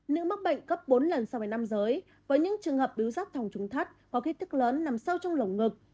nữ mắc bệnh gấp bốn lần so với năm giới với những trường hợp bíu rác thòng trung thắt có khí thức lớn nằm sâu trong lồng ngực